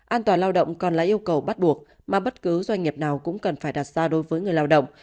an toàn lao động còn là yêu cầu bắt buộc mà bất cứ doanh nghiệp nào cũng cần phải đặt ra đối với người lao động